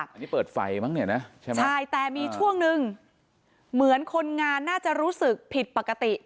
อันนี้เปิดไฟมั้งเนี่ยนะใช่ไหมใช่แต่มีช่วงนึงเหมือนคนงานน่าจะรู้สึกผิดปกติ